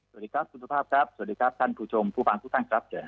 สวัสดีครับคุณสุภาพครับสวัสดีครับท่านผู้ชมผู้ฟังทุกท่านครับ